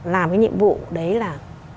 làm cái nhiệm vụ đấy là